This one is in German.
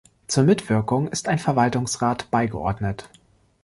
Zur Mitwirkung ist ein Verwaltungsrat beigeordnet.